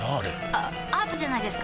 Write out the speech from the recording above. あアートじゃないですか？